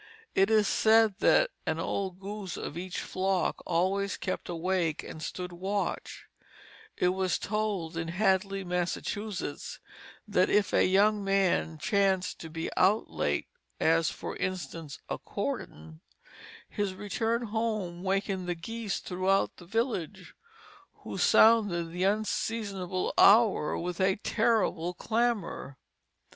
It is said that one old goose of each flock always kept awake and stood watch; and it was told in Hadley, Massachusetts, that if a young man chanced to be out late, as for instance a courting, his return home wakened the geese throughout the village, who sounded the unseasonable hour with a terrible clamor.